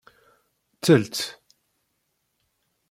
Telt.